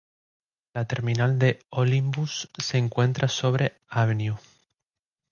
La terminal de Ómnibus se encuentra sobre la Av.